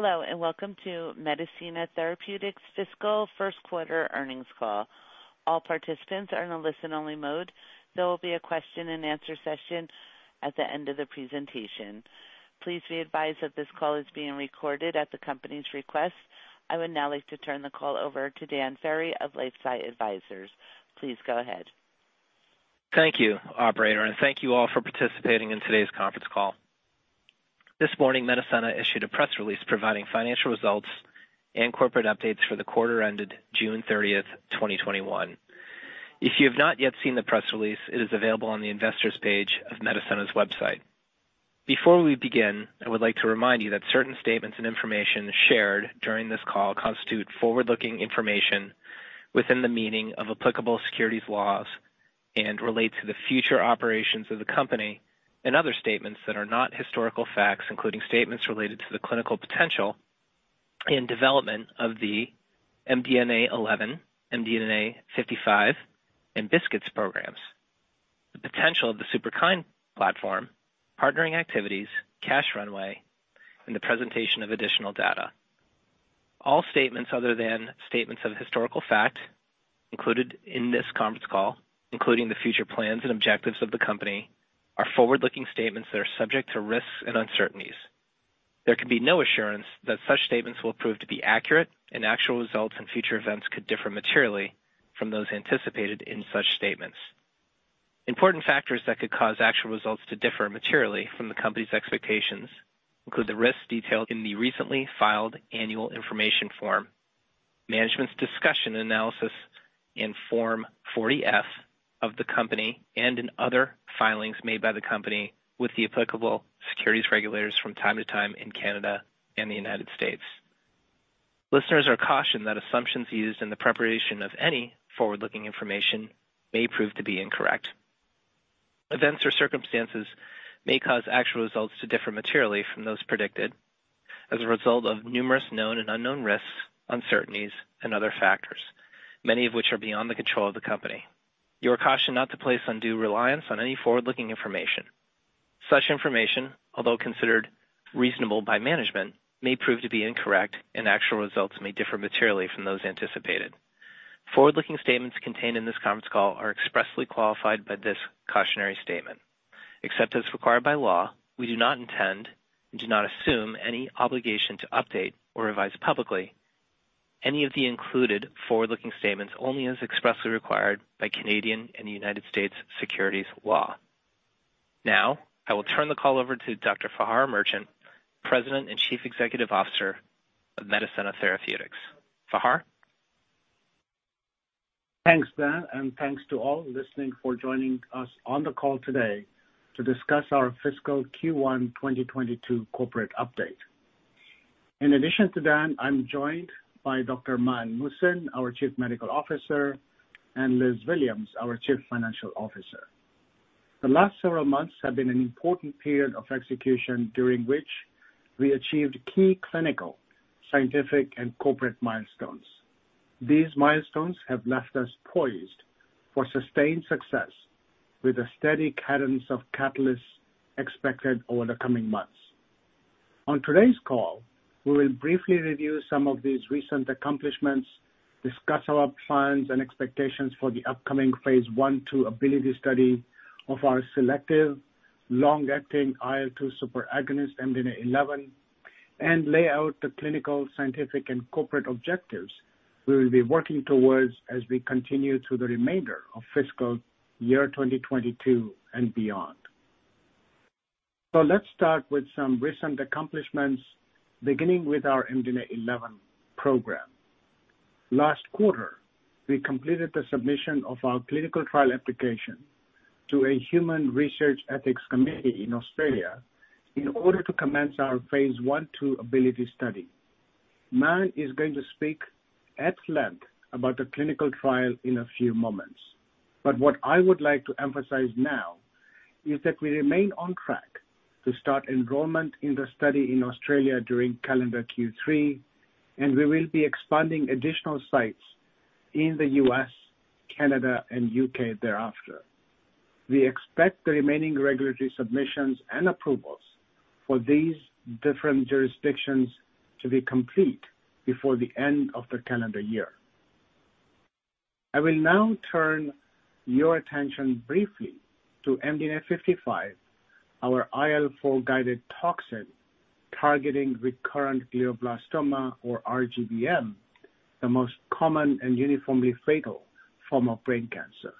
Hello, and welcome to Medicenna Therapeutics' fiscal first quarter earnings call. All participants are in a listen-only mode. There will be a question-and-answer session at the end of the presentation. Please be advised that this call is being recorded at the company's request. I would now like to turn the call over to Dan Ferry of LifeSci Advisors. Please go ahead. Thank you, operator. Thank you all for participating in today's conference call. This morning, Medicenna issued a press release providing financial results and corporate updates for the quarter ended June 30, 2021. If you have not yet seen the press release, it is available on the investors page of Medicenna's website. Before we begin, I would like to remind you that certain statements and information shared during this call constitute forward-looking information within the meaning of applicable securities laws and relate to the future operations of the company and other statements that are not historical facts, including statements related to the clinical potential and development of the MDNA11, MDNA55, and BiSKITs programs, the potential of the Superkine platform, partnering activities, cash runway, and the presentation of additional data. All statements other than statements of historical fact included in this conference call, including the future plans and objectives of the company, are forward-looking statements that are subject to risks and uncertainties. There can be no assurance that such statements will prove to be accurate, and actual results and future events could differ materially from those anticipated in such statements. Important factors that could cause actual results to differ materially from the company's expectations include the risks detailed in the recently filed annual information form, management's discussion and analysis in Form 40-F of the company, and in other filings made by the company with the applicable securities regulators from time to time in Canada and the United States. Listeners are cautioned that assumptions used in the preparation of any forward-looking information may prove to be incorrect. Events or circumstances may cause actual results to differ materially from those predicted as a result of numerous known and unknown risks, uncertainties, and other factors, many of which are beyond the control of the company. You are cautioned not to place undue reliance on any forward-looking information. Such information, although considered reasonable by management, may prove to be incorrect, and actual results may differ materially from those anticipated. Forward-looking statements contained in this conference call are expressly qualified by this cautionary statement. Except as required by law, we do not intend and do not assume any obligation to update or revise publicly any of the included forward-looking statements, only as expressly required by Canadian and U.S. securities law. Now, I will turn the call over to Dr. Fahar Merchant, President and Chief Executive Officer of Medicenna Therapeutics. Fahar? Thanks, Dan, and thanks to all listening for joining us on the call today to discuss our fiscal Q1 2022 corporate update. In addition to Dan, I'm joined by Dr. Mann Muhsin, our Chief Medical Officer, and Liz Williams, our Chief Financial Officer. The last several months have been an important period of execution, during which we achieved key clinical, scientific, and corporate milestones. These milestones have left us poised for sustained success with a steady cadence of catalysts expected over the coming months. On today's call, we will briefly review some of these recent accomplishments, discuss our plans and expectations for the upcoming phase I/II ABILITY-1 study of our selective long-acting IL-2 superagonist, MDNA11, and lay out the clinical, scientific, and corporate objectives we will be working towards as we continue through the remainder of fiscal year 2022 and beyond. Let's start with some recent accomplishments, beginning with our MDNA11 program. Last quarter, we completed the submission of our clinical trial application to a human research ethics committee in Australia in order to commence our phase I/II ABILITY-1 study. Mann is going to speak at length about the clinical trial in a few moments, but what I would like to emphasize now is that we remain on track to start enrollment in the study in Australia during calendar Q3, and we will be expanding additional sites in the U.S., Canada, and U.K. thereafter. We expect the remaining regulatory submissions and approvals for these different jurisdictions to be complete before the end of the calendar year. I will now turn your attention briefly to MDNA55, our IL-4 guided toxin targeting recurrent glioblastoma, or rGBM, the most common and uniformly fatal form of brain cancer.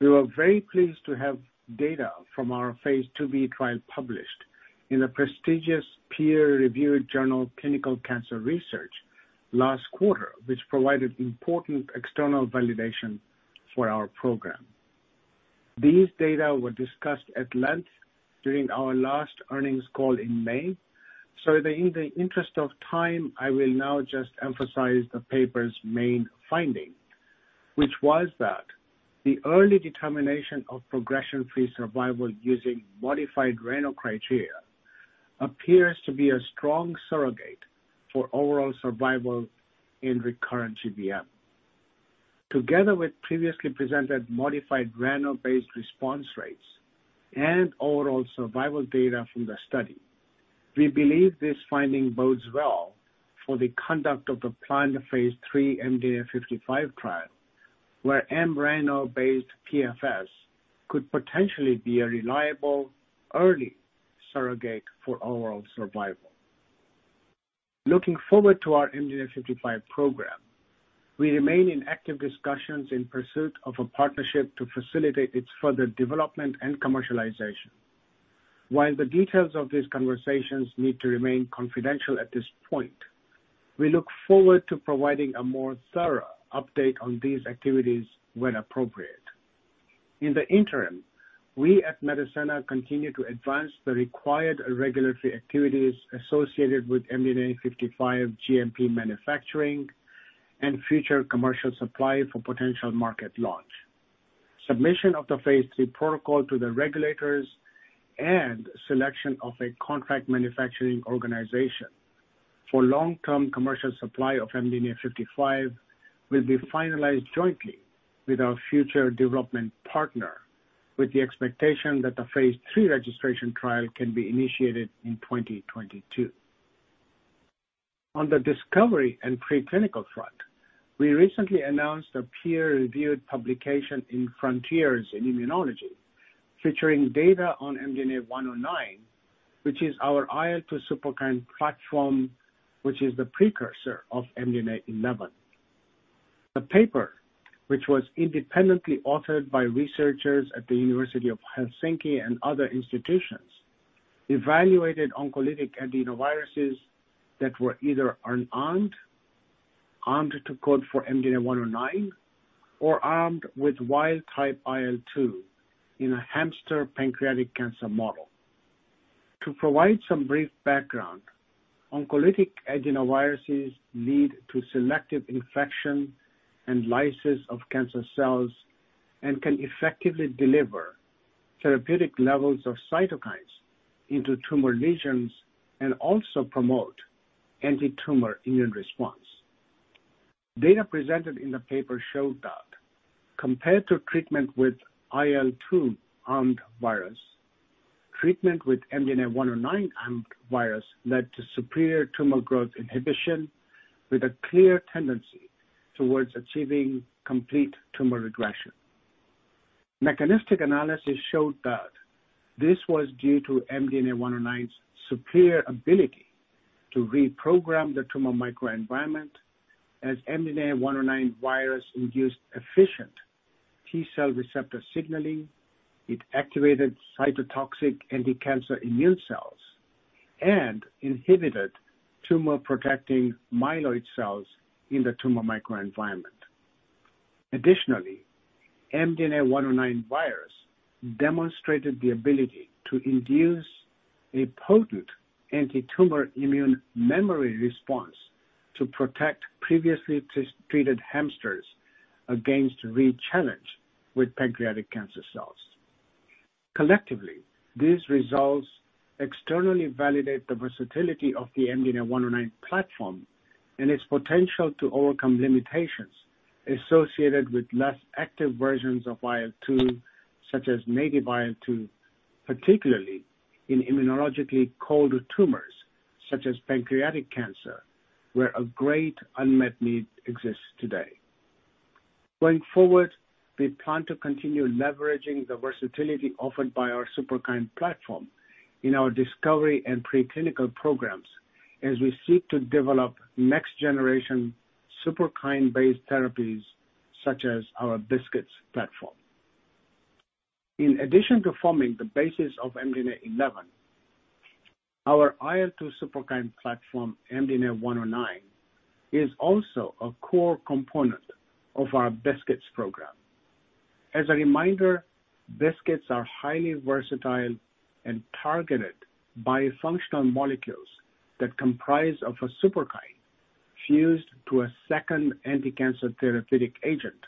We were very pleased to have data from our phase IIb trial published in a prestigious peer-reviewed journal, "Clinical Cancer Research," last quarter, which provided important external validation for our program. These data were discussed at length during our last earnings call in May. In the interest of time, I will now just emphasize the paper's main finding, which was that the early determination of progression-free survival using modified RECIST criteria appears to be a strong surrogate for overall survival in recurrent GBM. Together with previously presented modified mRANO-based response rates and overall survival data from the study, we believe this finding bodes well for the conduct of the planned phase III MDNA55 trial, where mRANO-based PFS could potentially be a reliable early surrogate for overall survival. Looking forward to our MDNA55 program, we remain in active discussions in pursuit of a partnership to facilitate its further development and commercialization. While the details of these conversations need to remain confidential at this point, we look forward to providing a more thorough update on these activities when appropriate. In the interim, we at Medicenna continue to advance the required regulatory activities associated with MDNA55 GMP manufacturing and future commercial supply for potential market launch. Submission of the phase III protocol to the regulators and selection of a contract manufacturing organization for long-term commercial supply of MDNA55 will be finalized jointly with our future development partner, with the expectation that the phase III registration trial can be initiated in 2022. On the discovery and preclinical front, we recently announced a peer-reviewed publication in Frontiers in Immunology featuring data on MDNA109, which is our IL-2 Superkine platform, which is the precursor of MDNA11. The paper, which was independently authored by researchers at the University of Helsinki and other institutions, evaluated oncolytic adenoviruses that were either unarmed, armed to code for MDNA109, or armed with wild type IL-2 in a hamster pancreatic cancer model. To provide some brief background, oncolytic adenoviruses lead to selective infection and lysis of cancer cells and can effectively deliver therapeutic levels of cytokines into tumor lesions and also promote anti-tumor immune response. Data presented in the paper showed that compared to treatment with IL-2-armed virus, treatment with MDNA109-armed virus led to superior tumor growth inhibition with a clear tendency towards achieving complete tumor regression. Mechanistic analysis showed that this was due to MDNA109's superior ability to reprogram the tumor microenvironment, as MDNA109 virus induced efficient T cell receptor signaling. It activated cytotoxic anticancer immune cells and inhibited tumor-protecting myeloid cells in the tumor microenvironment. Additionally, MDNA109 virus demonstrated the ability to induce a potent anti-tumor immune memory response to protect previously treated hamsters against re-challenge with pancreatic cancer cells. Collectively, these results externally validate the versatility of the MDNA109 platform and its potential to overcome limitations associated with less active versions of IL-2, such as native IL-2, particularly in immunologically colder tumors such as pancreatic cancer, where a great unmet need exists today. Going forward, we plan to continue leveraging the versatility offered by our Superkine platform in our discovery and preclinical programs as we seek to develop next generation Superkine-based therapies such as our BiSKITs platform. In addition to forming the basis of MDNA11, our IL-2 Superkine platform, MDNA109, is also a core component of our BiSKITs program. As a reminder, BiSKITs are highly versatile and targeted bifunctional molecules that comprise of a Superkine fused to a second anticancer therapeutic agent,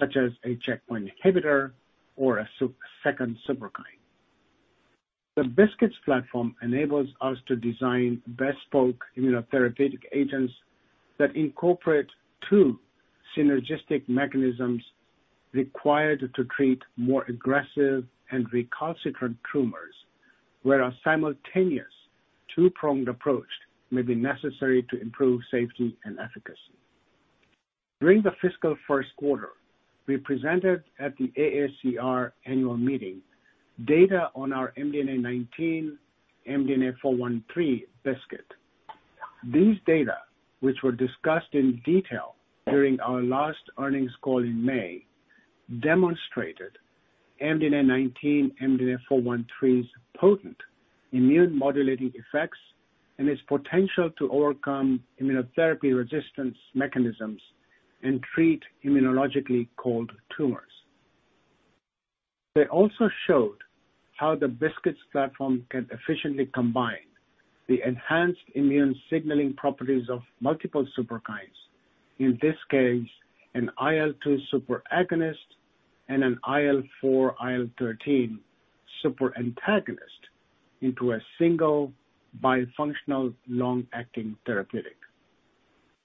such as a checkpoint inhibitor or a second Superkine. The BiSKITs platform enables us to design bespoke immunotherapeutic agents that incorporate two synergistic mechanisms required to treat more aggressive and recalcitrant tumors, where a simultaneous two-pronged approach may be necessary to improve safety and efficacy. During the fiscal first quarter, we presented at the AACR annual meeting data on our MDNA19/MDNA413 BiSKIT. These data, which were discussed in detail during our last earnings call in May, demonstrated MDNA19/MDNA413's potent immune modulating effects and its potential to overcome immunotherapy resistance mechanisms and treat immunologically cold tumors. They also showed how the BiSKITs platform can efficiently combine the enhanced immune signaling properties of multiple Superkines, in this case, an IL-2 superagonist and an IL-4/IL-13 superantagonist into a single bifunctional, long-acting therapeutic.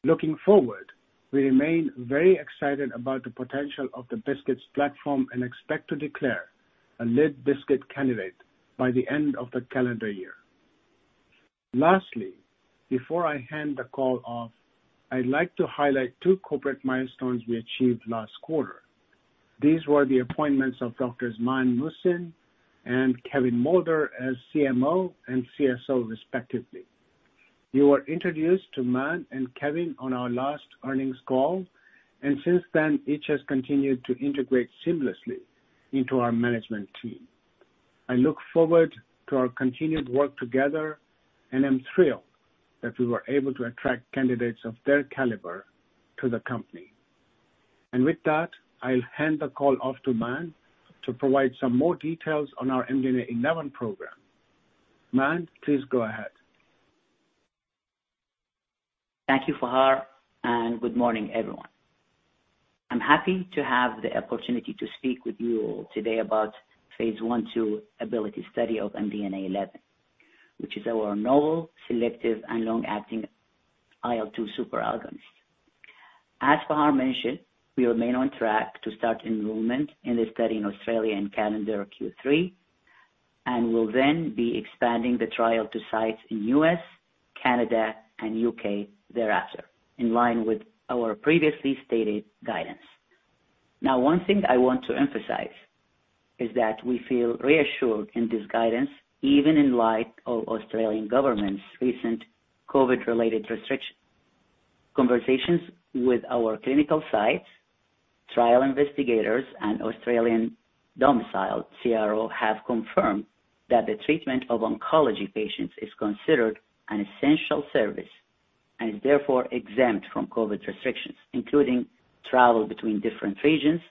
Looking forward, we remain very excited about the potential of the BiSKITs platform and expect to declare a lead BiSKIT candidate by the end of the calendar year. Lastly, before I hand the call off, I'd like to highlight two corporate milestones we achieved last quarter. These were the appointments of Doctors Mann Muhsin and Kevin Moulder as CMO and CSO, respectively. You were introduced to Mann and Kevin on our last earnings call, and since then, each has continued to integrate seamlessly into our management team. I look forward to our continued work together, and I'm thrilled that we were able to attract candidates of their caliber to the company. With that, I'll hand the call off to Mann to provide some more details on our MDNA11 Program. Mann, please go ahead. Thank you, Fahar, and good morning, everyone. I'm happy to have the opportunity to speak with you all today about the phase I/II ABILITY-1 study of MDNA11, which is our novel selective and long-acting IL-2 superagonist. As Fahar mentioned, we remain on track to start enrollment in the study in Australia in calendar Q3, and will then be expanding the trial to sites in the U.S., Canada, and U.K. thereafter, in line with our previously stated guidance. One thing I want to emphasize is that we feel reassured in this guidance, even in light of the Australian government's recent COVID-related restrictions. Conversations with our clinical sites, trial investigators, and Australian domiciled CRO have confirmed that the treatment of oncology patients is considered an essential service, and is therefore exempt from COVID restrictions, including travel between different regions.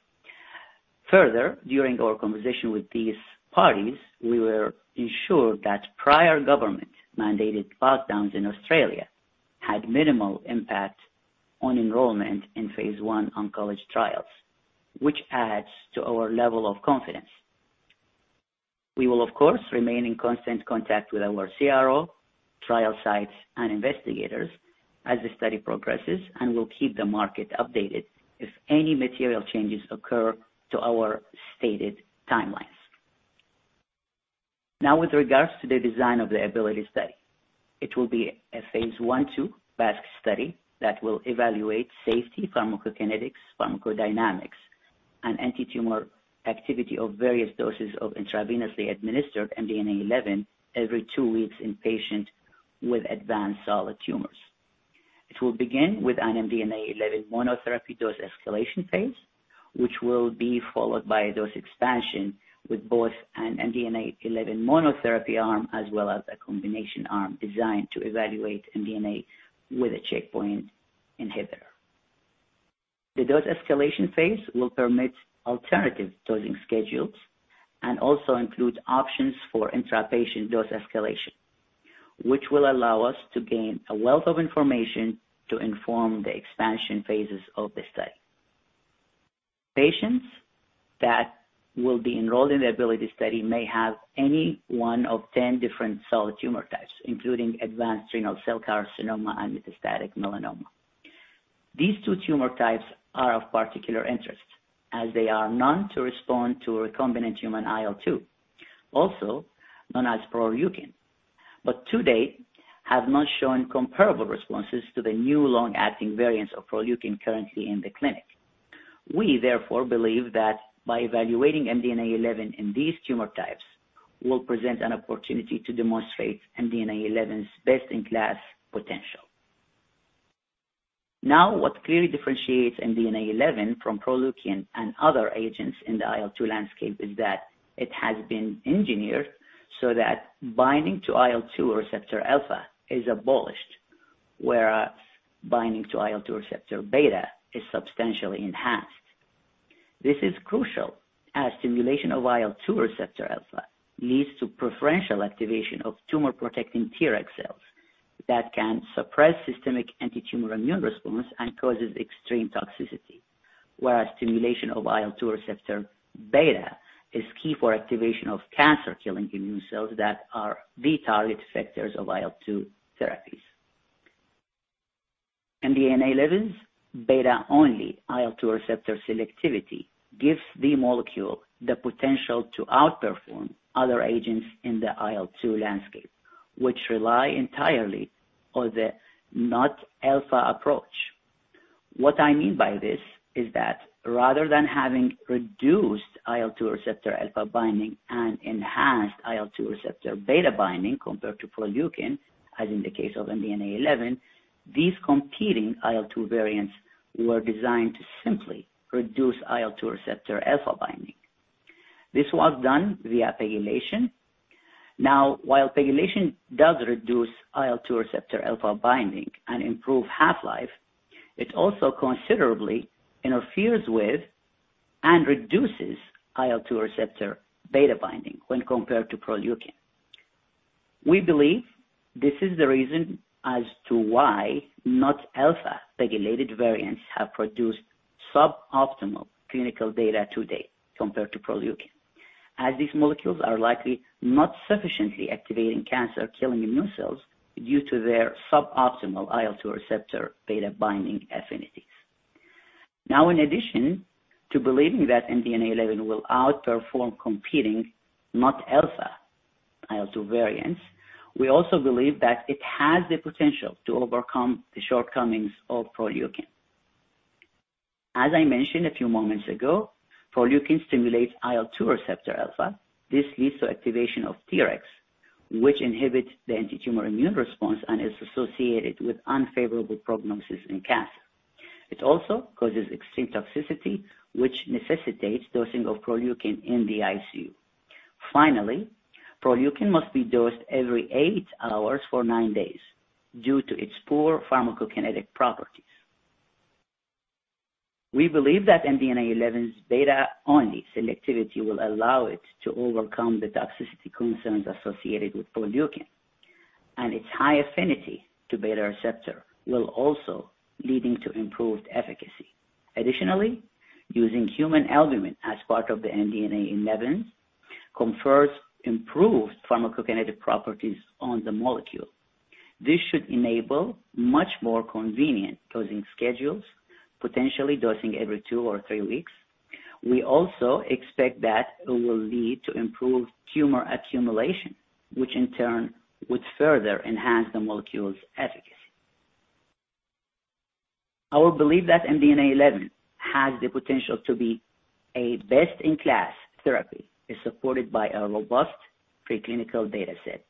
Further, during our conversation with these parties, we were assured that prior government-mandated lockdowns in Australia had minimal impact on enrollment in phase I oncology trials, which adds to our level of confidence. We will, of course, remain in constant contact with our CRO, trial sites, and investigators as the study progresses and will keep the market updated if any material changes occur to our stated timelines. With regards to the design of the ABILITY-1 study, it will be a phase I/II basket study that will evaluate safety pharmacokinetics, pharmacodynamics, and antitumor activity of various doses of intravenously administered MDNA11 every two weeks in patients with advanced solid tumors. It will begin with an MDNA11 monotherapy dose escalation phase, which will be followed by a dose expansion with both an MDNA11 monotherapy arm as well as a combination arm designed to evaluate MDNA with a checkpoint inhibitor. The dose escalation phase will permit alternative dosing schedules and also includes options for intra-patient dose escalation, which will allow us to gain a wealth of information to inform the expansion phases of the study. Patients that will be enrolled in the ABILITY-1 study may have any one of 10 different solid tumor types, including advanced renal cell carcinoma and metastatic melanoma. These two tumor types are of particular interest as they are known to respond to recombinant human IL-2, also known as Proleukin, but to date, have not shown comparable responses to the new long-acting variants of Proleukin currently in the clinic. We therefore believe that by evaluating MDNA11 in these tumor types will present an opportunity to demonstrate MDNA11's best-in-class potential. Now, what clearly differentiates MDNA11 from Proleukin and other agents in the IL-2 landscape is that it has been engineered so that binding to IL-2 receptor alpha is abolished, whereas binding to IL-2 receptor beta is substantially enhanced. This is crucial, as stimulation of IL-2 receptor alpha leads to preferential activation of tumor-protecting Treg cells that can suppress systemic antitumor immune response and causes extreme toxicity, whereas stimulation of IL-2 receptor beta is key for activation of cancer-killing immune cells that are the target effectors of IL-2 therapies. MDNA11's beta-only IL-2 receptor selectivity gives the molecule the potential to outperform other agents in the IL-2 landscape, which rely entirely on the not alpha approach. What I mean by this is that rather than having reduced IL-2 receptor alpha binding and enhanced IL-2 receptor beta binding compared to Proleukin, as in the case of MDNA11, these competing IL-2 variants were designed to simply reduce IL-2 receptor alpha binding. This was done via pegylation. Now, while pegylation does reduce IL-2 receptor alpha binding and improve half-life, it also considerably interferes with and reduces IL-2 receptor beta binding when compared to Proleukin. We believe this is the reason as to why not alpha-regulated variants have produced suboptimal clinical data to date compared to Proleukin, as these molecules are likely not sufficiently activating cancer-killing immune cells due to their suboptimal IL-2 receptor beta binding affinities. Now, in addition to believing that MDNA11 will outperform competing not alpha IL-2 variants, we also believe that it has the potential to overcome the shortcomings of Proleukin. As I mentioned a few moments ago, Proleukin stimulates IL-2 receptor alpha. This leads to activation of Tregs, which inhibits the antitumor immune response and is associated with unfavorable prognosis in cancer. It also causes extreme toxicity, which necessitates dosing of Proleukin in the ICU. Finally, Proleukin must be dosed every eight hours for nine days due to its poor pharmacokinetic properties. We believe that MDNA11's beta-only selectivity will allow it to overcome the toxicity concerns associated with Proleukin, and its high affinity to beta receptor will also leading to improved efficacy. Additionally, using human albumin as part of the MDNA11 confers improved pharmacokinetic properties on the molecule. This should enable much more convenient dosing schedules, potentially dosing every two or three weeks. We also expect that it will lead to improved tumor accumulation, which in turn would further enhance the molecule's efficacy. Our belief that MDNA11 has the potential to be a best-in-class therapy is supported by a robust preclinical data set.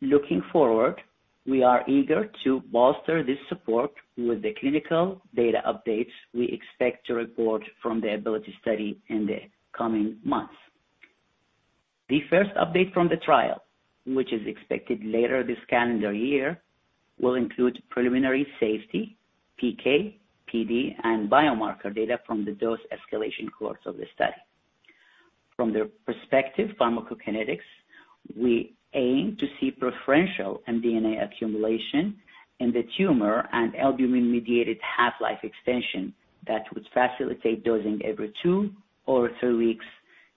Looking forward, we are eager to bolster this support with the clinical data updates we expect to report from the ABILITY-1 study in the coming months. The first update from the trial, which is expected later this calendar year, will include preliminary safety, PK/PD, and biomarker data from the dose escalation cohorts of the study. From the prospective pharmacokinetics, we aim to see preferential MDNA accumulation in the tumor and albumin-mediated half-life extension that would facilitate dosing every two or three weeks,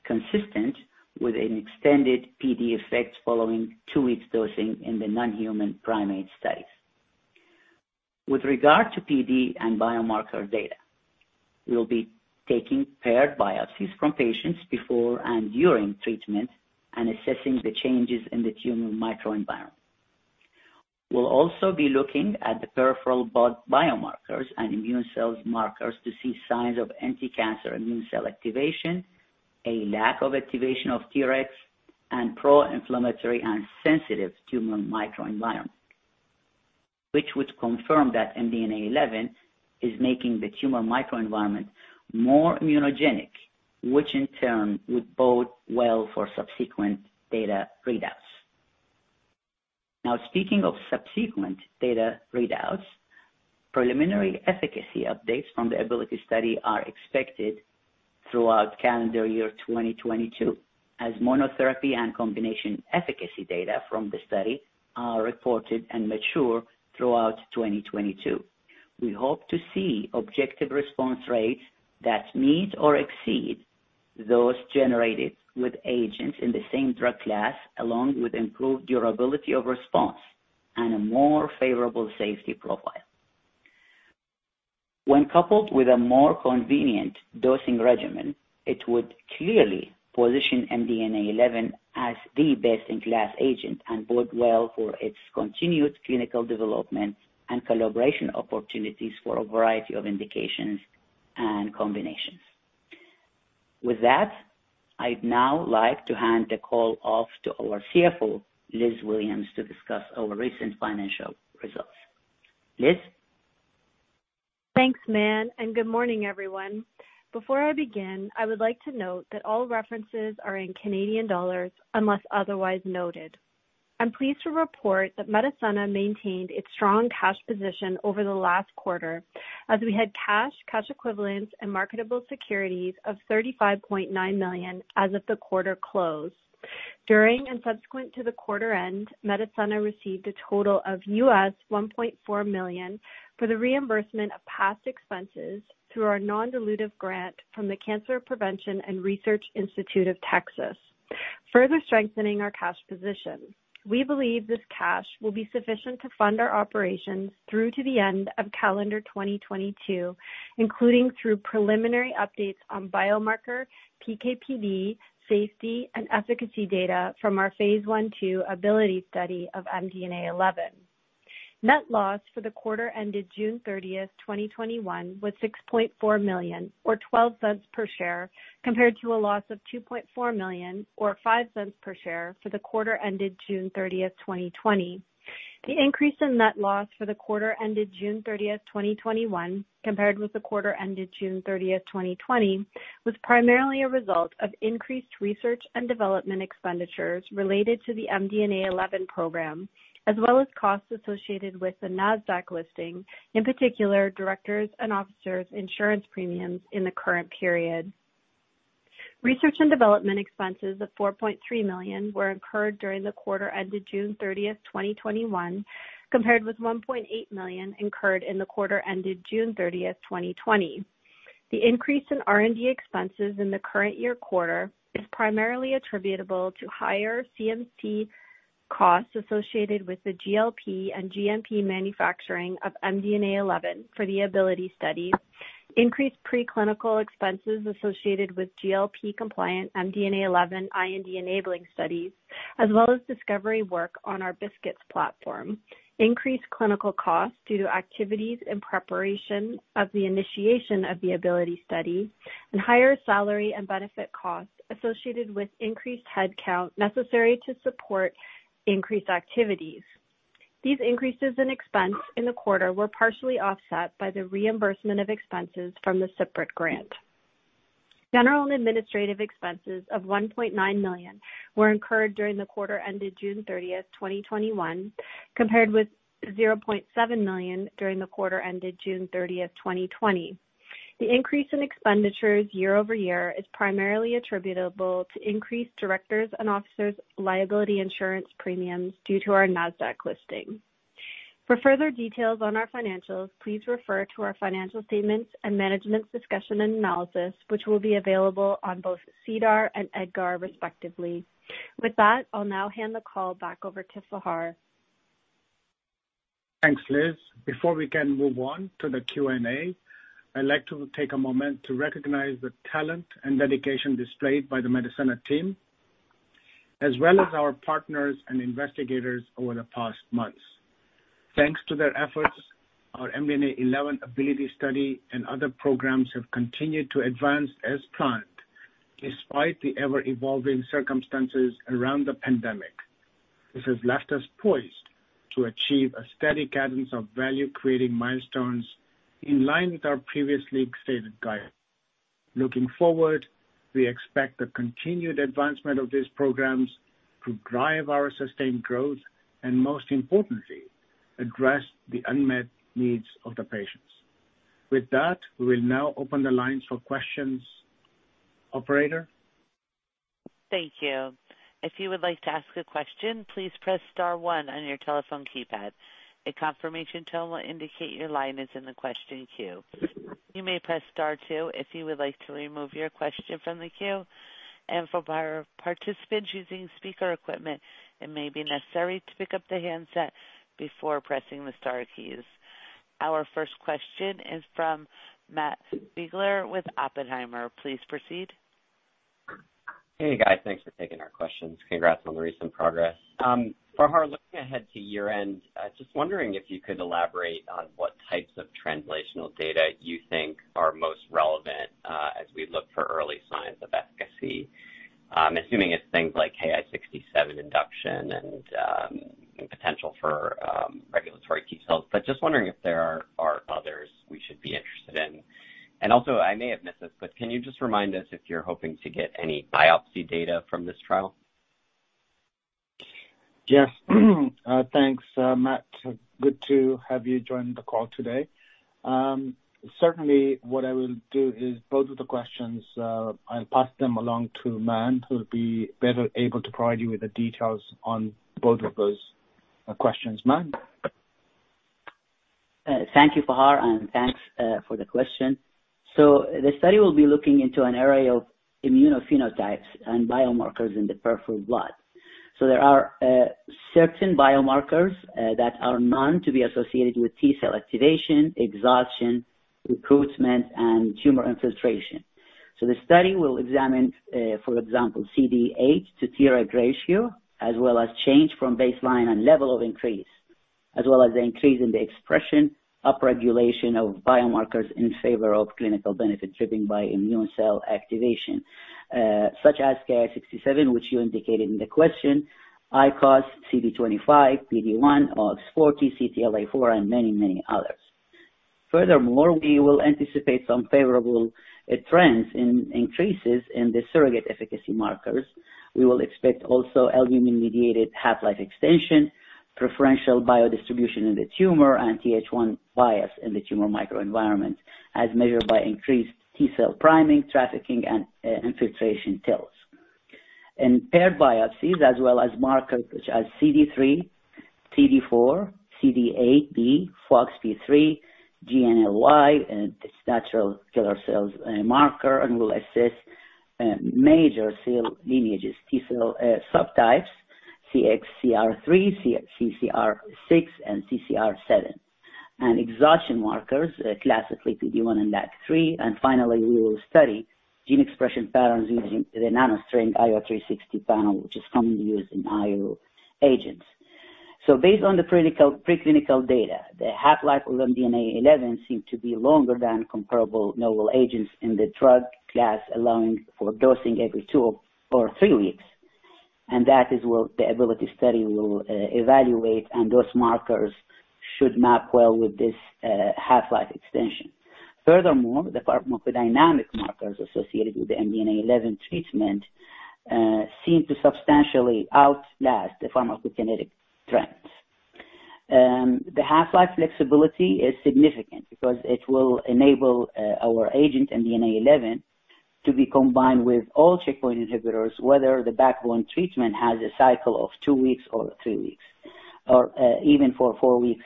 consistent with an extended PD effect following two weeks dosing in the non-human primate studies. With regard to PD and biomarker data, we will be taking paired biopsies from patients before and during treatment and assessing the changes in the tumor microenvironment. We'll also be looking at the peripheral blood biomarkers and immune cells markers to see signs of anticancer immune cell activation, a lack of activation of Tregs, and pro-inflammatory and sensitive tumor microenvironment, which would confirm that MDNA11 is making the tumor microenvironment more immunogenic, which in turn would bode well for subsequent data readouts. Now, speaking of subsequent data readouts, preliminary efficacy updates from the ABILITY-1 study are expected throughout calendar year 2022, as monotherapy and combination efficacy data from the study are reported and mature throughout 2022. We hope to see objective response rates that meet or exceed those generated with agents in the same drug class, along with improved durability of response and a more favorable safety profile. When coupled with a more convenient dosing regimen, it would clearly position MDNA11 as the best-in-class agent and bode well for its continued clinical development and collaboration opportunities for a variety of indications and combinations. With that, I'd now like to hand the call off to our CFO, Liz Williams, to discuss our recent financial results. Liz? Thanks, Mann, and good morning, everyone. Before I begin, I would like to note that all references are in Canadian dollars unless otherwise noted. I'm pleased to report that Medicenna maintained its strong cash position over the last quarter as we had cash equivalents, and marketable securities of 35.9 million as of the quarter close. During and subsequent to the quarter end, Medicenna received a total of $1.4 million for the reimbursement of past expenses through our non-dilutive grant from the Cancer Prevention and Research Institute of Texas, further strengthening our cash position. We believe this cash will be sufficient to fund our operations through to the end of calendar 2022, including through preliminary updates on biomarker PK/PD, safety, and efficacy data from our phase I/II ABILITY-1 study of MDNA11. Net loss for the quarter ended June 30th, 2021, was 6.4 million or 0.12 per share, compared to a loss of 2.4 million or 0.05 per share for the quarter ended June 30th, 2020. The increase in net loss for the quarter ended June 30th, 2021, compared with the quarter ended June 30th, 2020, was primarily a result of increased R&D expenditures related to the MDNA11 program, as well as costs associated with the NASDAQ listing, in particular, directors and officers' insurance premiums in the current period. R&D expenses of 4.3 million were incurred during the quarter ended June 30th, 2021, compared with 1.8 million incurred in the quarter ended June 30th, 2020. The increase in R&D expenses in the current year quarter is primarily attributable to higher CMC costs associated with the GLP and GMP manufacturing of MDNA11 for the ABILITY studies, increased preclinical expenses associated with GLP-compliant MDNA11 IND enabling studies, as well as discovery work on our BiSKITs platform, increased clinical costs due to activities in preparation of the initiation of the ABILITY study. Higher salary and benefit costs associated with increased headcount necessary to support increased activities. These increases in expense in the quarter were partially offset by the reimbursement of expenses from the separate grant. General and administrative expenses of 1.9 million were incurred during the quarter ended June 30, 2021, compared with 0.7 million during the quarter ended June 30, 2020. The increase in expenditures year-over-year is primarily attributable to increased directors and officers liability insurance premiums due to our NASDAQ listing. For further details on our financials, please refer to our financial statements and management's discussion and analysis, which will be available on both SEDAR and EDGAR, respectively. With that, I'll now hand the call back over to Fahar. Thanks, Liz. Before we can move on to the Q&A, I'd like to take a moment to recognize the talent and dedication displayed by the Medicenna team, as well as our partners and investigators over the past months. Thanks to their efforts, our MDNA11 ABILITY-1 study and other programs have continued to advance as planned, despite the ever-evolving circumstances around the pandemic. This has left us poised to achieve a steady cadence of value-creating milestones in line with our previously stated guidance. Looking forward, we expect the continued advancement of these programs to drive our sustained growth and, most importantly, address the unmet needs of the patients. With that, we will now open the lines for questions. Operator? Thank you. If you will like to ask question press star one on your telephone keypad a confirmation tone to indicate your line on the question queue You may press star two if you would like to remove your question from the queue and participant using speaker equipment may be necessary to pick up the handset before pressing any key. Our first question is from Matt Biegler with Oppenheimer. Please proceed. Hey, guys. Thanks for taking our questions. Congrats on the recent progress. Fahar, looking ahead to year-end, just wondering if you could elaborate on what types of translational data you think are most relevant as we look for early signs of efficacy. I'm assuming it's things like Ki-67 induction and potential for regulatory T cells. Just wondering if there are others we should be interested in. Also, I may have missed this, but can you just remind us if you're hoping to get any biopsy data from this trial? Yes. Thanks, Matt. Good to have you join the call today. Certainly, what I will do is both of the questions, I'll pass them along to Mann, who will be better able to provide you with the details on both of those questions. Mann? Thank you, Fahar, and thanks for the question. The study will be looking into an array of immunophenotypes and biomarkers in the peripheral blood. There are certain biomarkers that are known to be associated with T-cell activation, exhaustion, recruitment, and tumor infiltration. The study will examine, for example, CD8 to Treg ratio, as well as change from baseline and level of increase, as well as the increase in the expression, upregulation of biomarkers in favor of clinical benefit driven by immune cell activation, such as Ki-67, which you indicated in the question, ICOS, CD25, PD-1, OX40, CTLA4, and many others. Furthermore, we will anticipate some favorable trends in increases in the surrogate efficacy markers. We will expect also albumin-mediated half-life extension, preferential biodistribution in the tumor, and Th1 bias in the tumor microenvironment, as measured by increased T-cell priming, trafficking, and infiltration TILs. In paired biopsies, as well as markers such as CD3, CD4, CD8, B, FOXP3, GNLY, and natural killer cells marker, and will assess major cell lineages, T-cell subtypes, CXCR3, CXCR6, and CCR7. Exhaustion markers, classically PD-1 and LAG-3. Finally, we will study gene expression patterns using the NanoString IO360 panel, which is commonly used in IO agents. Based on the preclinical data, the half-life of MDNA11 seemed to be longer than comparable novel agents in the drug class, allowing for dosing every two or three weeks, and that is what the ABILITY study will evaluate, and those markers should map well with this half-life extension. Furthermore, the pharmacodynamic markers associated with the MDNA11 treatment seem to substantially outlast the pharmacokinetic trends. The half-life flexibility is significant because it will enable our agent, MDNA11, to be combined with all checkpoint inhibitors, whether the backbone treatment has a cycle of two weeks or three weeks, or even for four weeks,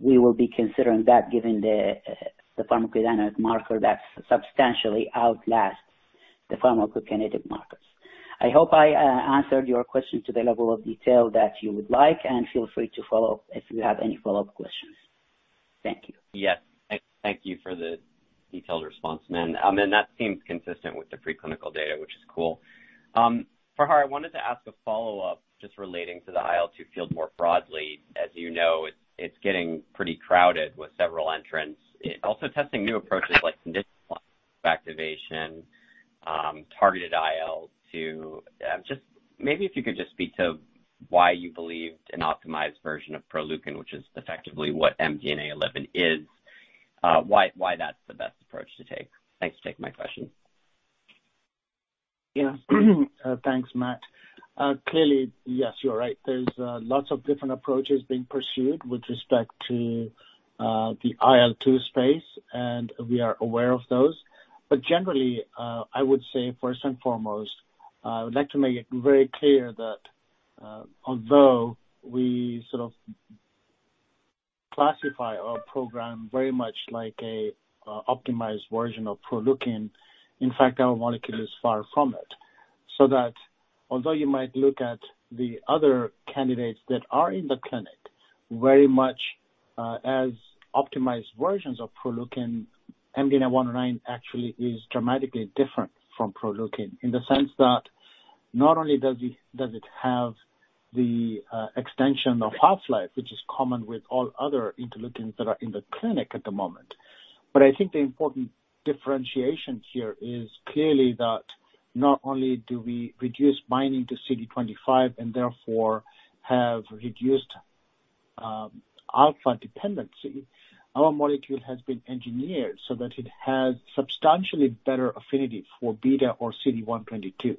we will be considering that given the pharmacokinetic marker that substantially outlasts the pharmacokinetic markers. I hope I answered your question to the level of detail that you would like, and feel free to follow up if you have any follow-up questions. Thank you. Yes. Thank you for the detailed response, Mann. That seems consistent with the preclinical data, which is cool. Fahar, I wanted to ask a follow-up just relating to the IL-2 field more broadly. As you know, it's getting pretty crowded with several entrants also testing new approaches like conditional activation, targeted IL-2. Maybe if you could just speak to why you believed an optimized version of Proleukin, which is effectively what MDNA11 is, why that's the best approach to take. Thanks for taking my question. Yeah. Thanks, Matt. Clearly, yes, you're right. There's lots of different approaches being pursued with respect to the IL-2 space, and we are aware of those. Generally, I would say, first and foremost, I would like to make it very clear that although we sort of classify our program very much like an optimized version of Proleukin, in fact, our molecule is far from it, so that although you might look at the other candidates that are in the clinic very much as optimized versions of Proleukin, MDNA11 actually is dramatically different from Proleukin in the sense that not only does it have the extension of half-life, which is common with all other interleukins that are in the clinic at the moment. I think the important differentiation here is clearly that not only do we reduce binding to CD25 and therefore have reduced alpha dependency, our molecule has been engineered so that it has substantially better affinity for beta or CD122.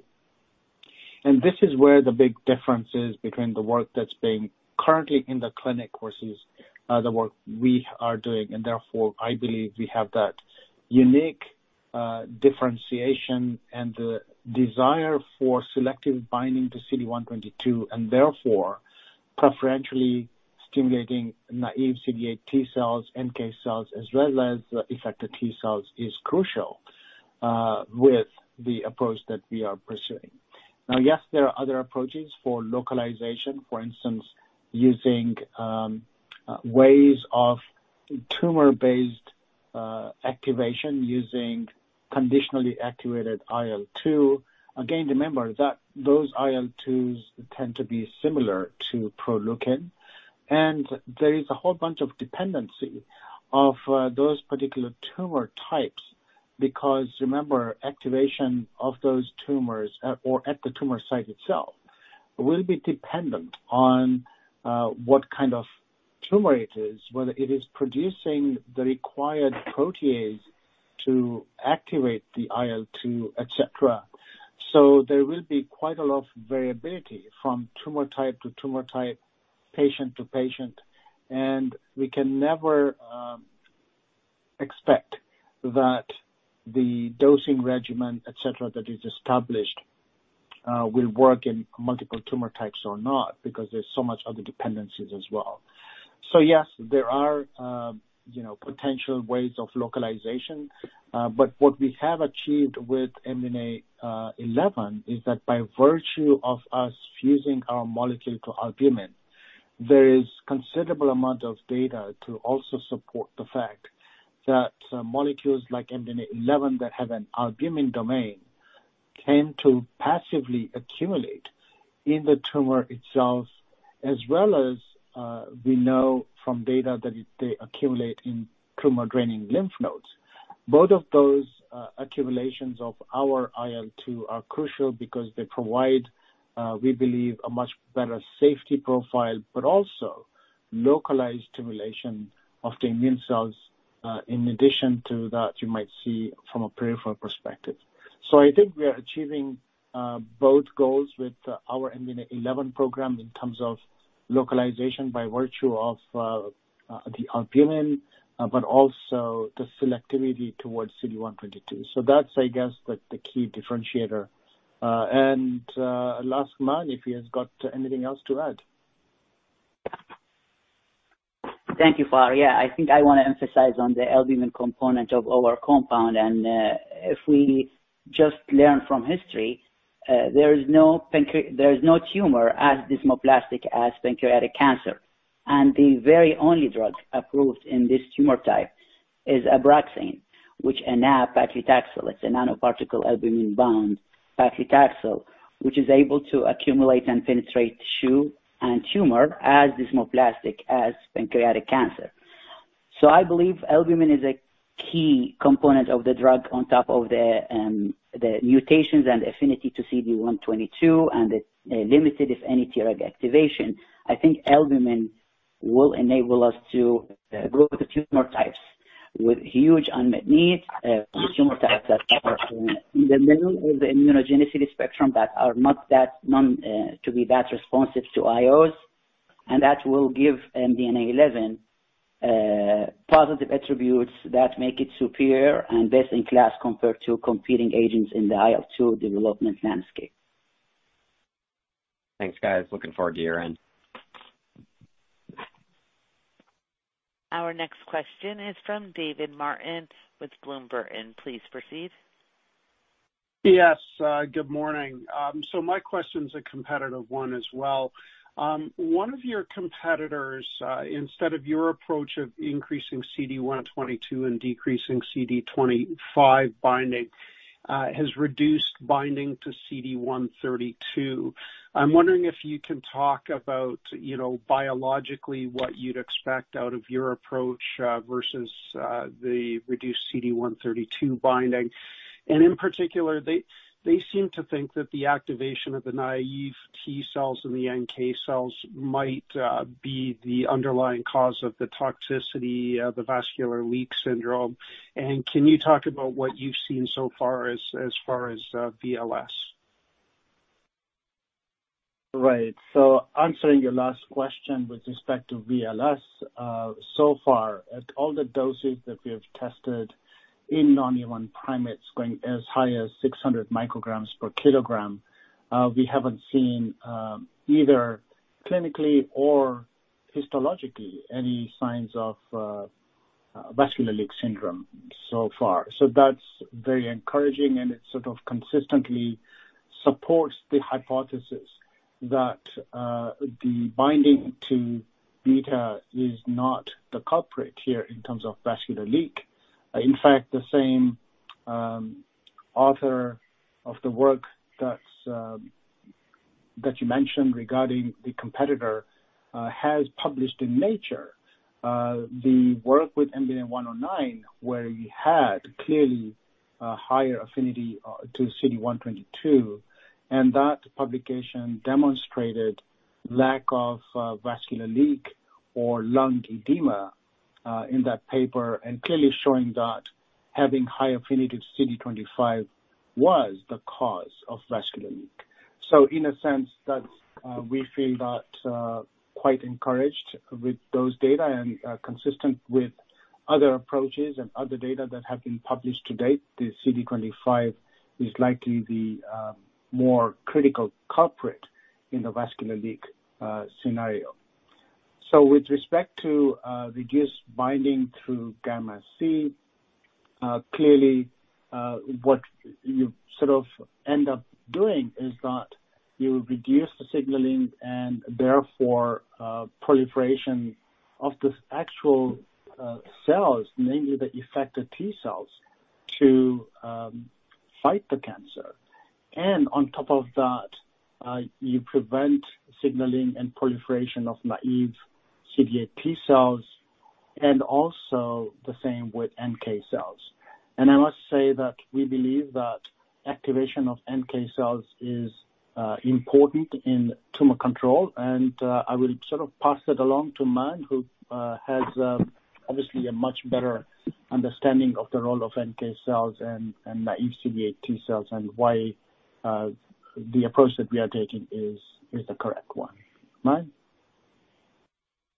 This is where the big difference is between the work that's being currently in the clinic versus the work we are doing, and therefore, I believe we have that unique differentiation and the desire for selective binding to CD122 and therefore preferentially stimulating naive CD8 T cells, NK cells, as well as the effector T cells, is crucial with the approach that we are pursuing. Now, yes, there are other approaches for localization, for instance, using ways of tumor-based activation using conditionally activated IL-2. Again, remember that those IL-2s tend to be similar to Proleukin, and there is a whole bunch of dependency of those particular tumor types because remember, activation of those tumors or at the tumor site itself will be dependent on what kind of tumor it is, whether it is producing the required protease to activate the IL-2, et cetera. There will be quite a lot of variability from tumor type to tumor type, patient to patient, and we can never expect that the dosing regimen, et cetera, that is established will work in multiple tumor types or not, because there's so much other dependencies as well. Yes, there are potential ways of localization. What we have achieved with MDNA11 is that by virtue of us fusing our molecule to albumin, there is considerable amount of data to also support the fact that molecules like MDNA11 that have an albumin domain tend to passively accumulate in the tumor itself, as well as we know from data that they accumulate in tumor-draining lymph nodes. Both of those accumulations of our IL-2 are crucial because they provide, we believe, a much better safety profile, but also localized stimulation of the immune cells, in addition to that you might see from a peripheral perspective. I think we are achieving both goals with our MDNA11 program in terms of localization by virtue of the albumin, but also the selectivity towards CD122. That's, I guess, the key differentiator. Last, Mann, if he has got anything else to add. Thank you, Fahar. I think I want to emphasize on the albumin component of our compound. If we just learn from history, there is no tumor as desmoplastic as pancreatic cancer. The very only drug approved in this tumor type is Abraxane, which is nab-paclitaxel. It's a nanoparticle albumin-bound paclitaxel, which is able to accumulate and penetrate tissue and tumor as desmoplastic as pancreatic cancer. I believe albumin is a key component of the drug on top of the mutations and affinity to CD122 and the limited, if any, Treg activation. I think MDNA11 will enable us to grow the tumor types with huge unmet needs, tumor types that are in the middle of the immunogenicity spectrum that are not to be that responsive to IOs. That will give MDNA11 positive attributes that make it superior and best in class compared to competing agents in the IL-2 development landscape. Thanks, guys. Looking forward to year-end. Our next question is from David Martin with Bloom Burton. Please proceed. Yes. Good morning. My question's a competitive one as well. One of your competitors, instead of your approach of increasing CD122 and decreasing CD25 binding, has reduced binding to CD132. I'm wondering if you can talk about biologically what you'd expect out of your approach versus the reduced CD132 binding. In particular, they seem to think that the activation of the naive T cells and the NK cells might be the underlying cause of the toxicity, the vascular leak syndrome. Can you talk about what you've seen so far as far as VLS? Right. Answering your last question with respect to VLS, so far, at all the doses that we have tested in non-human primates going as high as 600 micrograms per kilogram, we haven't seen, either clinically or histologically, any signs of vascular leak syndrome so far. That's very encouraging, and it sort of consistently supports the hypothesis that the binding to beta is not the culprit here in terms of vascular leak. In fact, the same author of the work that you mentioned regarding the competitor has published in Nature the work with MDNA109, where you had clearly a higher affinity to CD122, and that publication demonstrated lack of vascular leak or lung edema in that paper, and clearly showing that having high affinity to CD25 was the cause of vascular leak. In a sense, we feel quite encouraged with those data and consistent with other approaches and other data that have been published to date, the CD25 is likely the more critical culprit in the vascular leak scenario. With respect to reduced binding through gamma C, clearly what you sort of end up doing is that you reduce the signaling and therefore proliferation of the actual cells, namely the effector T cells, to fight the cancer. On top of that, you prevent signaling and proliferation of naive CD8 T cells and also the same with NK cells. I must say that we believe that activation of NK cells is important in tumor control, and I will sort of pass it along to Mann Muhsin, who has obviously a much better understanding of the role of NK cells and naive CD8 T cells and why the approach that we are taking is the correct one.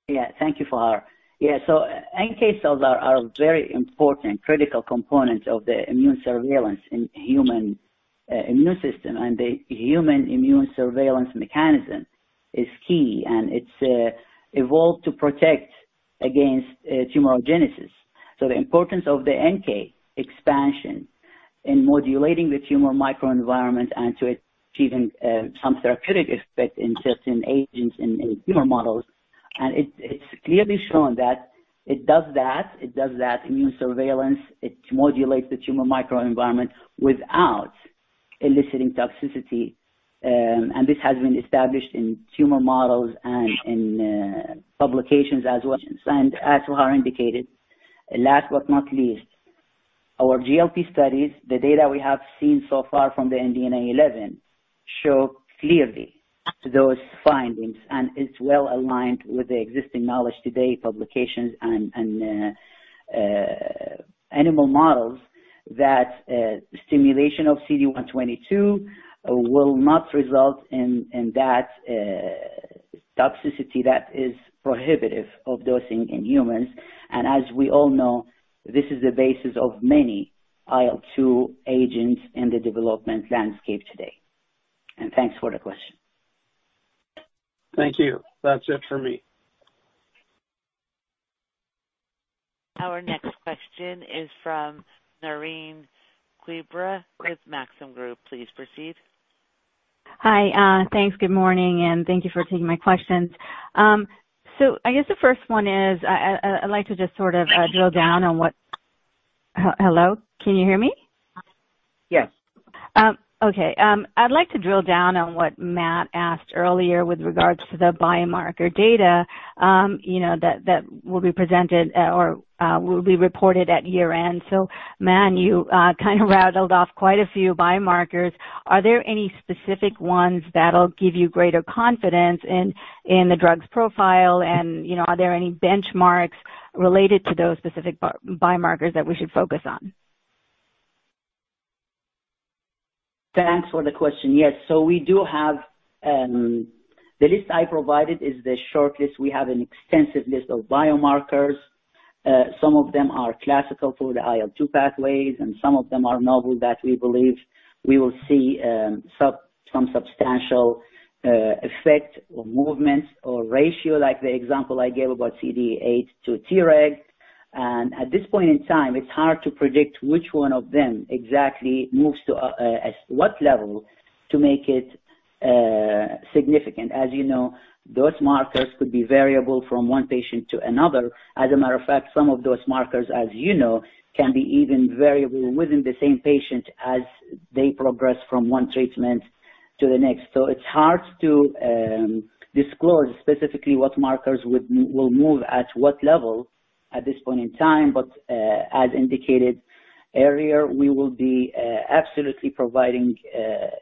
Mann? Thank you, Fahar. NK cells are a very important critical component of the immune surveillance in human immune system, and the human immune surveillance mechanism is key, and it's evolved to protect against tumorigenesis. The importance of the NK expansion in modulating the tumor microenvironment and to achieving some therapeutic effect in certain agents in tumor models. It's clearly shown that it does that immune surveillance, it modulates the tumor microenvironment without eliciting toxicity, and this has been established in tumor models and in publications as well. As Fahar indicated, last but not least, our GLP studies, the data we have seen so far from the MDNA11 show clearly those findings, and it's well aligned with the existing knowledge today, publications, and animal models that stimulation of CD122 will not result in that toxicity that is prohibitive of dosing in humans. As we all know, this is the basis of many IL-2 agents in the development landscape today. Thanks for the question. Thank you. That is it for me. Our next question is from Naureen Quibria with Maxim Group. Please proceed. Hi. Thanks. Good morning, and thank you for taking my questions. I guess the first one is, I'd like to just sort of drill down on what. Can you hear me? Yes. Okay. I'd like to drill down on what Matt asked earlier with regards to the biomarker data that will be presented or will be reported at year-end. Mann, you kind of rattled off quite a few biomarkers. Are there any specific ones that'll give you greater confidence in the drug's profile, and are there any benchmarks related to those specific biomarkers that we should focus on? Thanks for the question. Yes. The list I provided is the short list. We have an extensive list of biomarkers. Some of them are classical for the IL-2 pathways, and some of them are novel that we believe we will see some substantial effect or movement or ratio, like the example I gave about CD8 to Treg. At this point in time, it's hard to predict which one of them exactly moves to what level to make it significant. As you know, those markers could be variable from one patient to another. As a matter of fact, some of those markers, as you know, can be even variable within the same patient as they progress from one treatment to the next. It's hard to disclose specifically what markers will move at what level at this point in time. As indicated earlier, we will be absolutely providing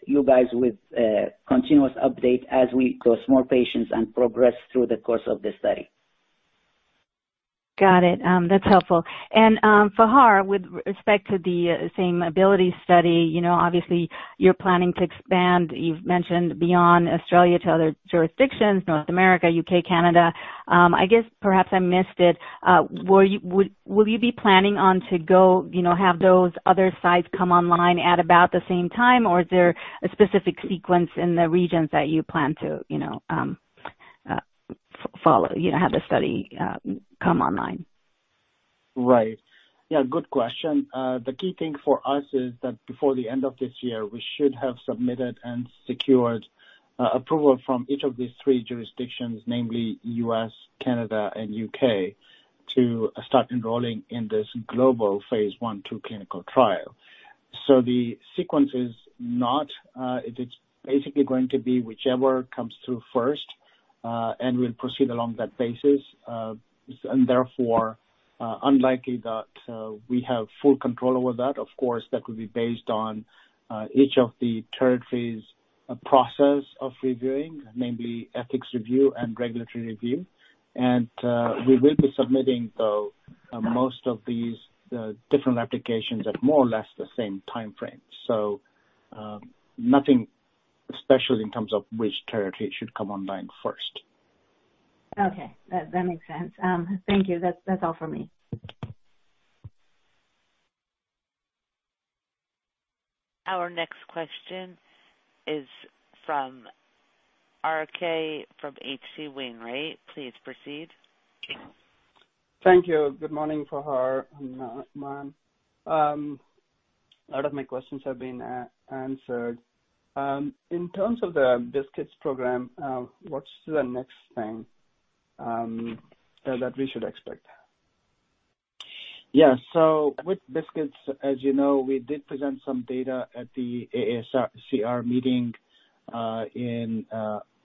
you guys with a continuous update as we dose more patients and progress through the course of the study. Got it. That's helpful. Fahar, with respect to the same ABILITY-1 study, obviously you're planning to expand, you've mentioned beyond Australia to other jurisdictions, North America, U.K., Canada. I guess perhaps I missed it. Will you be planning on to have those other sites come online at about the same time, or is there a specific sequence in the regions that you plan to follow, have the study come online? Right. Yeah, good question. The key thing for us is that before the end of this year, we should have submitted and secured approval from each of these three jurisdictions, namely U.S., Canada, and U.K., to start enrolling in this global phase I/II clinical trial. The sequence, it's basically going to be whichever comes through first, and we'll proceed along that basis. Therefore, unlikely that we have full control over that. Of course, that will be based on each of the territories' process of reviewing, namely ethics review and regulatory review. We will be submitting, though, most of these different applications at more or less the same timeframe. Nothing special in terms of which territory should come online first. Okay. That makes sense. Thank you. That's all for me. Our next question is from RK from H.C. Wainwright. Please proceed. Thank you. Good morning, Fahar and Mann. A lot of my questions have been answered. In terms of the BiSKITs program, what's the next thing that we should expect? Yeah. With BiSKITs, as you know, we did present some data at the AACR meeting in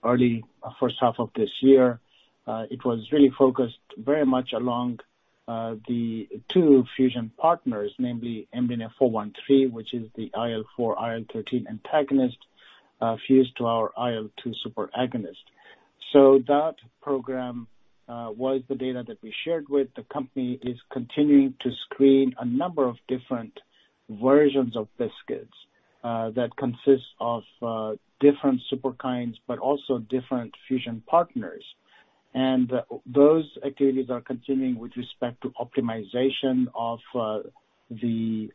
early first half of this year. It was really focused very much along the two fusion partners, namely MDNA413, which is the IL-4/IL-13 antagonist fused to our IL-2 superagonist. That program was the data that we shared with. The company is continuing to screen a number of different versions of BiSKITs that consists of different Superkines, but also different fusion partners. Those activities are continuing with respect to optimization of the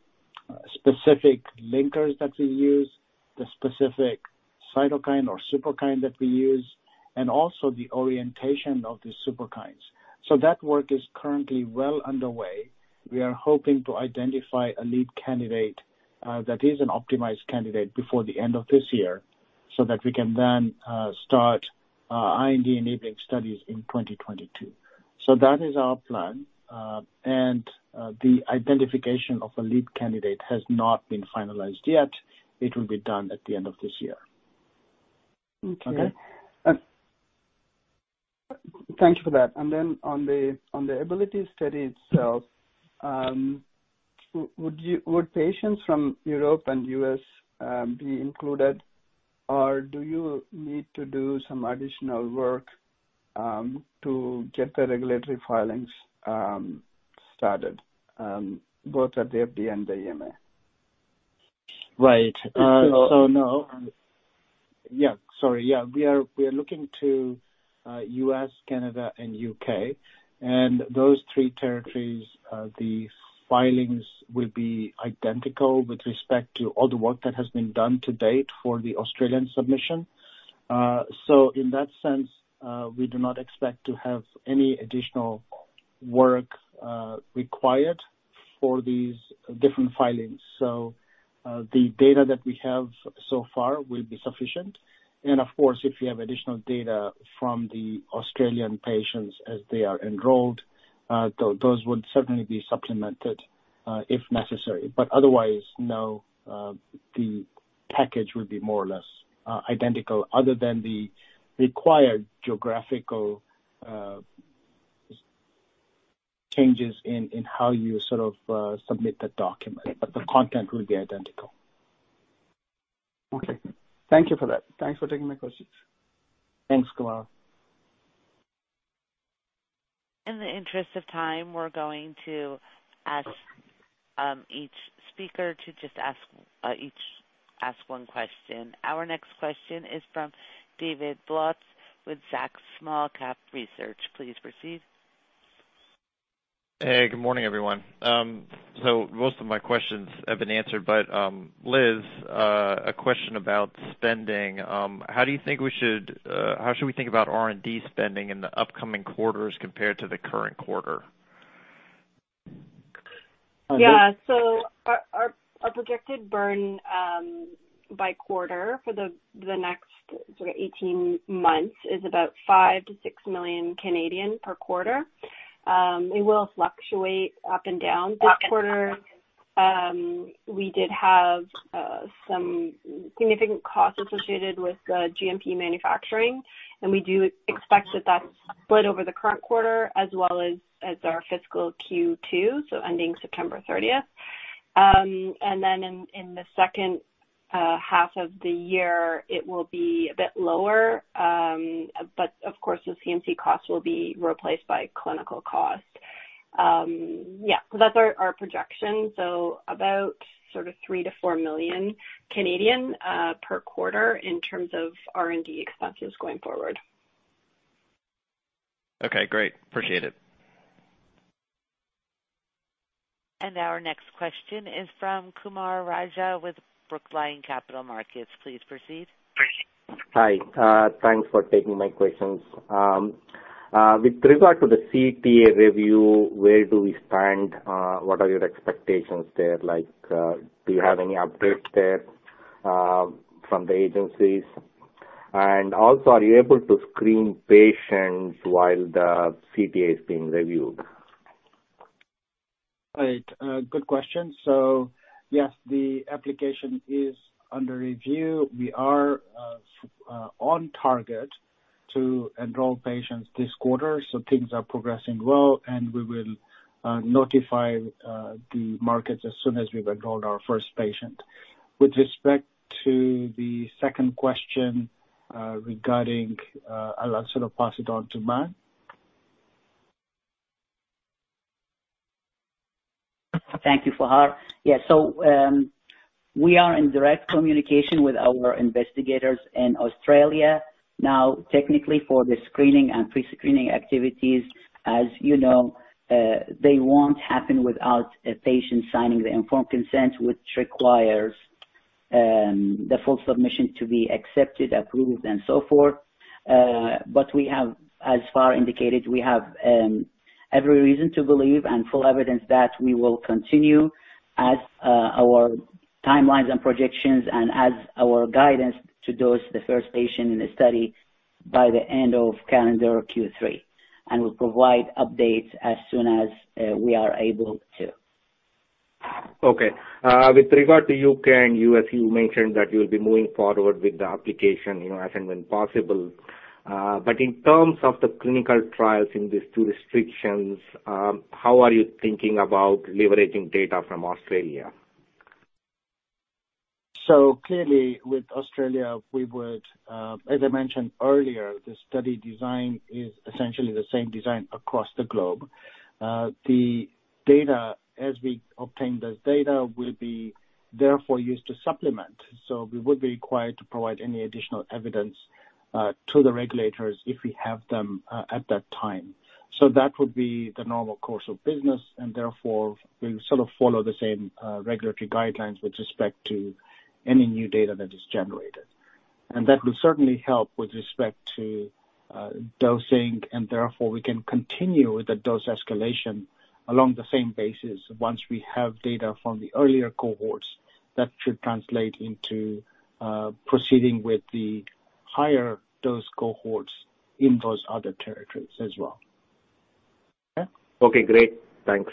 specific linkers that we use, the specific cytokine or Superkine that we use, and also the orientation of the Superkines. That work is currently well underway. We are hoping to identify a lead candidate that is an optimized candidate before the end of this year, so that we can then start IND-enabling studies in 2022. That is our plan. The identification of a lead candidate has not been finalized yet. It will be done at the end of this year. Okay. Okay? Thank you for that. On the ABILITY study itself, would patients from Europe and U.S. be included, or do you need to do some additional work to get the regulatory filings started, both at the FDA and the EMA? Right. Yeah, sorry. Yeah. We are looking to U.S., Canada, and U.K. Those three territories, the filings will be identical with respect to all the work that has been done to date for the Australian submission. In that sense, we do not expect to have any additional work required for these different filings. The data that we have so far will be sufficient. Of course, if we have additional data from the Australian patients as they are enrolled, those would certainly be supplemented, if necessary. Otherwise, no, the package would be more or less identical other than the required geographical changes in how you submit the document. The content will be identical. Okay. Thank you for that. Thanks for taking my questions. Thanks. In the interest of time, we're going to ask each speaker to just ask one question. Our next question is from David Bautz with Zacks Small-Cap Research. Please proceed. Hey, good morning, everyone. Most of my questions have been answered, but, Liz, a question about spending. How should we think about R&D spending in the upcoming quarters compared to the current quarter? Our projected burn by quarter for the next sort of 18 months is about 5 million-6 million per quarter. It will fluctuate up and down. This quarter, we did have some significant costs associated with the GMP manufacturing, and we do expect that that's split over the current quarter as well as our fiscal Q2, so ending September 30th. In the second half of the year, it will be a bit lower. Of course, the CMC cost will be replaced by clinical costs. That's our projection. About sort of 3 million-4 million per quarter in terms of R&D expenses going forward. Okay, great. Appreciate it. Our next question is from Kumar Raja with Brookline Capital Markets. Please proceed. Hi. Thanks for taking my questions. With regard to the CTA review, where do we stand? What are your expectations there, like, do you have any updates there from the agencies? Also, are you able to screen patients while the CTA is being reviewed? Right. Good question. Yes, the application is under review. We are on target to enroll patients this quarter. Things are progressing well, and we will notify the markets as soon as we've enrolled our first patient. With respect to the second question regarding, I'll sort of pass it on to Dr. Mann. Thank you, Fahar. Yeah. We are in direct communication with our investigators in Australia. Now, technically for the screening and pre-screening activities, as you know, they won't happen without a patient signing the informed consent, which requires the full submission to be accepted, approved, and so forth. As Fahar indicated, we have every reason to believe and full evidence that we will continue as our timelines and projections and as our guidance to dose the first patient in the study by the end of calendar Q3. We'll provide updates as soon as we are able to. Okay. With regard to U.K. and U.S., you mentioned that you'll be moving forward with the application as and when possible. In terms of the clinical trials in these two jurisdictions, how are you thinking about leveraging data from Australia? Clearly with Australia, as I mentioned earlier, the study design is essentially the same design across the globe. The data, as we obtain the data, will be therefore used to supplement. We would be required to provide any additional evidence to the regulators if we have them at that time. That would be the normal course of business, and therefore we sort of follow the same regulatory guidelines with respect to any new data that is generated. That will certainly help with respect to dosing, and therefore we can continue with the dose escalation along the same basis once we have data from the earlier cohorts. That should translate into proceeding with the higher dose cohorts in those other territories as well. Okay, great. Thanks.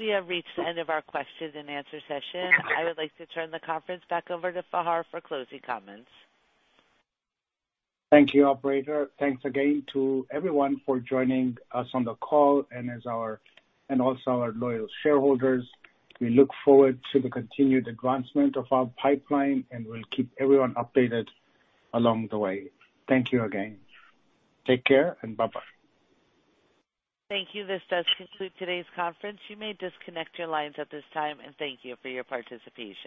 We have reached the end of our question-and-answer session. I would like to turn the conference back over to Fahar for closing comments. Thank you, operator. Thanks again to everyone for joining us on the call, and also our loyal shareholders. We look forward to the continued advancement of our pipeline, and we'll keep everyone updated along the way. Thank you again. Take care, and bye-bye. Thank you. This does conclude today's conference. You may disconnect your lines at this time, and thank you for your participation.